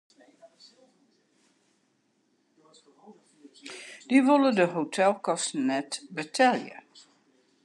Dy wolle de hotelkosten net betelje.